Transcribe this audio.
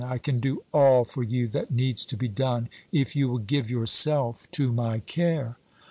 I can do all for you that needs to be done, if you will give yourself to my care."